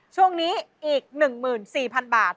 ช่วงนี้อีก๑๔๐๐๐บาท